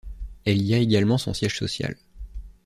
Elle y a également son siège social.